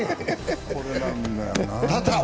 これなんだよなぁ。